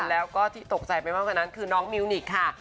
แล้วก็ที่ตกใจไปมากกว่านั้นคือน้องมิวนิกค่ะ